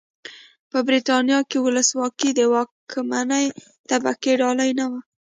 په برېټانیا کې ولسواکي د واکمنې طبقې ډالۍ نه وه.